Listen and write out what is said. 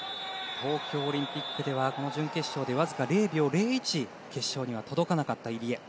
東京オリンピックではこの準決勝でわずか０秒０１決勝には届かなかった入江。